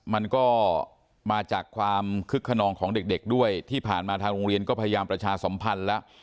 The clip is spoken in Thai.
มันก็มาจากความคึกขนองของเด็กด้วยที่ผ่านมาทางโรงเรียนก็พยายามประชาสัมพันธ์แล้ว